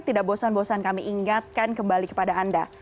tidak bosan bosan kami ingatkan kembali kepada anda